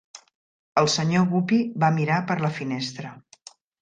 El senyor Guppy va mirar per la finestra.